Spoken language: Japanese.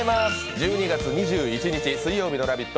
１２月２１日水曜日の「ラヴィット！」